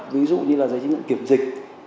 ví dụ như là giấy chứng nhận kiểm soát